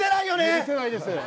許せないです。